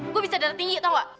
gue bisa darah tinggi tau nggak